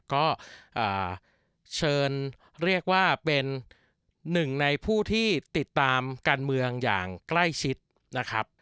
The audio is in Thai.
ก็เชิญเรียกว่าเป็นหนึ่งในผู้ที่ติดตามการเมืองอย่างใกล้ชิดนะครับ